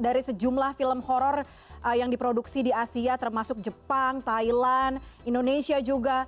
dari sejumlah film horror yang diproduksi di asia termasuk jepang thailand indonesia juga